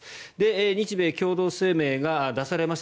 日米共同声明が出されました。